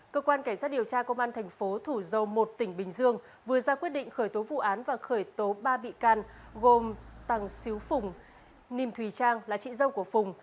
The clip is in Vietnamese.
cơ quan cảnh sát điều tra công an thành phố thủ dầu một tỉnh bình dương vừa ra quyết định khởi tố vụ án và khởi tố ba bị can gồm tăng xíu phùng niệm thùy trang là chị dâu của phùng